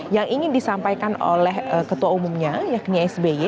yang ingin disampaikan oleh ketua umumnya yakni sby